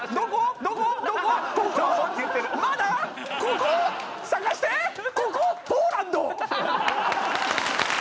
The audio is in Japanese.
ここポーランド！